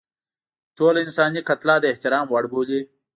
ټوله انساني کتله د احترام وړ بولي.